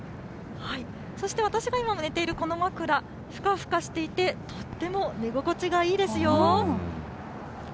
そして私が今、寝ているこの枕、ふかふかしていて、とっても寝心地がいいですよ。